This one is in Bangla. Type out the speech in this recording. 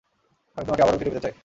আমি তোমাকে আবারও ফিরে পেতে চাই!